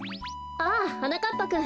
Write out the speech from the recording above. ああはなかっぱくん